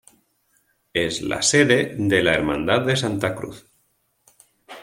Es la sede de la Hermandad de Santa Cruz.